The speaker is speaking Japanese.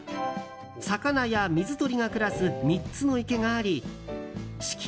魚や水鳥が暮らす３つの池があり四季